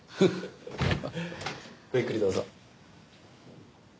ごゆっくりどうぞ。